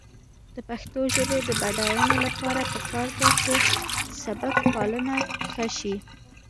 د پښتو ژبې د بډاینې لپاره پکار ده چې سبکپالنه ښه شي.